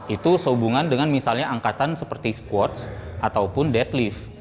itu sehubungan dengan misalnya angkatan seperti squads ataupun deadlift